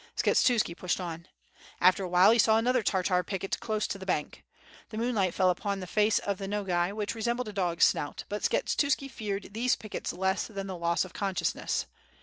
Skshetuski pushed on. After awhile he saw another Tar tar picket close to the bank. The moonlight fell upon the face of the Nbgai which resembled a dog's snout, but Skshe tuski feared these pickets less than the loss of consciousness.